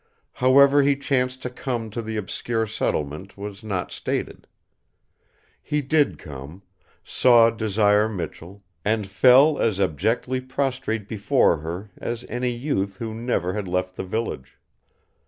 However he chanced to come to the obscure settlement was not stated. He did come, saw Desire Michell, and fell as abjectly prostrate before her as any youth who never had left the village.